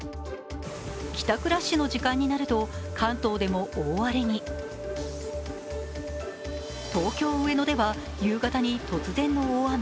帰宅ラッシュの時間になると関東でも大荒れに東京・上野では夕方に突然の大雨。